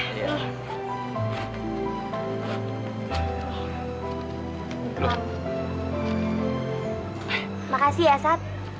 terima kasih ya sat